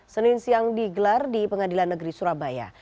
senin siang digelar di pengadilan negeri surabaya